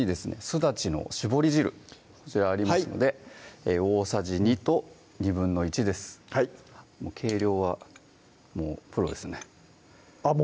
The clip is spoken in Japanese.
すだちの絞り汁こちらありますので大さじ２と１／２ですもう計量はもうプロですねあっ